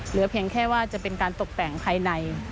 เหลือเพียงแค่ว่าจะเป็นการตกแต่งภายใน